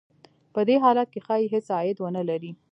په دې حالت کې ښايي هېڅ عاید ونه لري